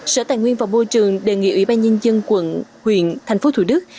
sở tài nguyên và môi trường đề nghị ủy ban nhân dân quận huyện thành phố thủ đức